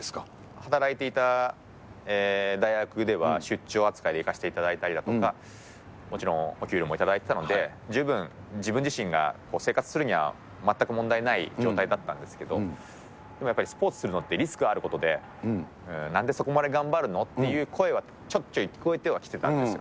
働いていた大学では、出張扱いで行かせていただいたりですとか、もちろんお給料も頂いてたので、十分自分自身が生活するには全く問題ない状態だったんですけど、でもやっぱりスポーツするのってリスクがあることで、なんでそこまで頑張るのっていう声はちょいちょい聞こえてはきてたんですよ。